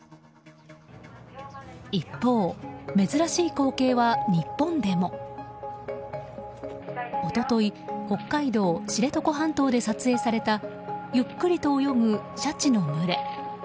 一方、珍しい光景は日本でも。一昨日、北海道知床半島で撮影されたゆっくりと泳ぐシャチの群れ。